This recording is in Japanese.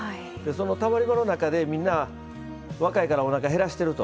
たまり場の中で、みんな若いから、おなか減らしてると。